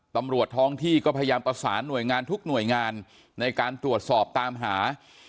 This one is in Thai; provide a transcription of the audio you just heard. ตำรวจท้องที่ก็พยายามประสานหน่วยงานทุกหน่วยงานในการตรวจสอบตามหา